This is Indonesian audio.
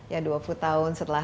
ya dua puluh tahun setelah